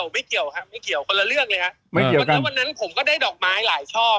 ไม่เกี่ยวไม่เกี่ยวครับคนละเรื่องเลยครับ